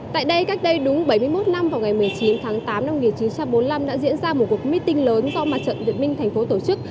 tại đây cách đây đúng bảy mươi một năm vào ngày một mươi chín tháng tám năm một nghìn chín trăm bốn mươi năm đã diễn ra một cuộc meeting lớn do mặt trận việt minh thành phố tổ chức